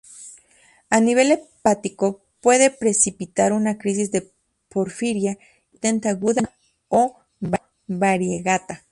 A nivel hepático puede precipitar una crisis de Porfiria intermitente aguda o variegata.